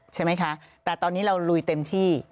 ใช่ไหมคะแต่ตอนนี้เราลุยเต็มที่